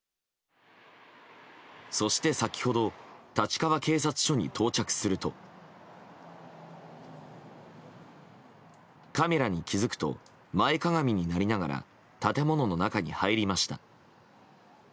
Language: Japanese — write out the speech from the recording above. そして、先ほど立川警察署に到着するとカメラに気づくと前かがみになりながら建物の中に入りました。